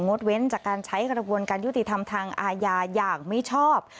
ดเว้นจากการใช้กระบวนการยุติธรรมทางอาญาอย่างมิชอบ